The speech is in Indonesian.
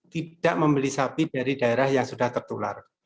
tidak membeli sapi dari daerah yang sudah tertular